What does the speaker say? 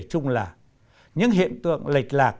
chung là những hiện tượng lệch lạc